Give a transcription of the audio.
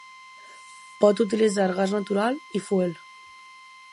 Pot utilitzar gas natural i fuel.